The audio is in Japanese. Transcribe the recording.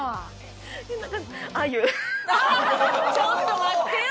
ちょっと待ってよ！